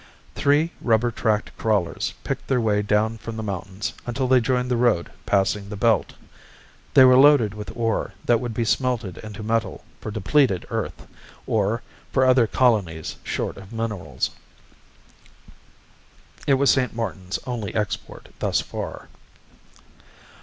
Three rubber tracked crawlers picked their way down from the mountains until they joined the road passing the belt. They were loaded with ore that would be smelted into metal for depleted Earth, or for other colonies short of minerals. It was St. Martin's only export thus far.